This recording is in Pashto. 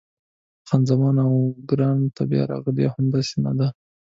خان زمان: اوه، ګرانه ته بیا راغلې! همداسې نه ده؟